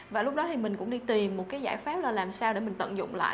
và lúc đó thì mình cũng đi tìm một cái giải pháp là làm sao để mình tận dụng lại